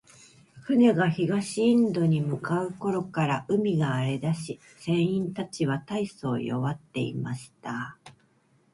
船が東インドに向う頃から、海が荒れだし、船員たちは大そう弱っていました。